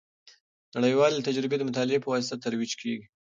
نړیوالې تجربې د مطالعې په واسطه ترویج کیږي.